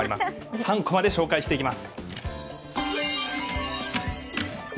３コマで紹介していきます。